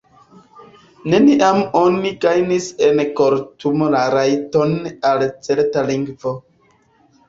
Neniam oni gajnis en kortumo la rajton al certa lingvo